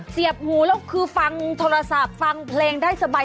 เสียบหูแล้วคือฟังโทรศัพท์ฟังเพลงได้สบาย